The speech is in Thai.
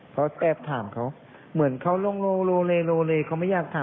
เขาแอบถามเขาเหมือนเขาลงโลเลโลเลเขาไม่อยากถาม